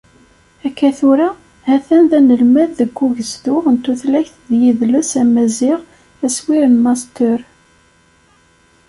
Akka tura, ha-t-an d anelmad deg ugezdu n tutlayt d yidles amaziɣ, aswir n Master.